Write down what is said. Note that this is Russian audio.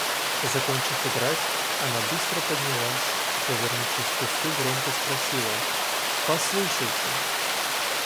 Закончив играть, она быстро поднялась и, повернувшись к кусту, громко спросила: – Послушайте!